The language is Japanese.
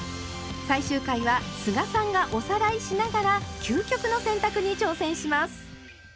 最終回は須賀さんがおさらいしながら「究極の洗濯」に挑戦します！